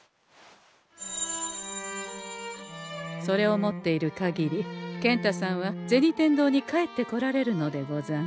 それを持っている限り健太さんは銭天堂に帰ってこられるのでござんす。